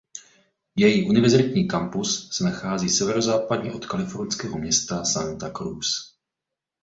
Její univerzitní kampus se nachází severozápadně od kalifornského města Santa Cruz.